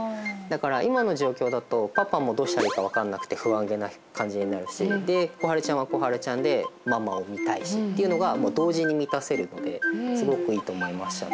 だから今の状況だとパパもどうしたらいいか分からなくて不安げな感じになるしで心晴ちゃんは心晴ちゃんでママを見たいしっていうのが同時に満たせるのですごくいいと思いました